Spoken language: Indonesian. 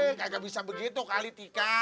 hei kagak bisa begitu kali tika